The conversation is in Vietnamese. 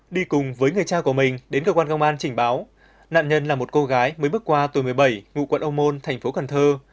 đi cùng với người cha của mình đến cơ quan công an trình báo nạn nhân là một cô gái mới bước qua tuổi một mươi bảy ngụ quận âu môn thành phố cần thơ